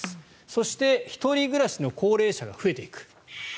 そして、１人暮らしの高齢者が増えていく。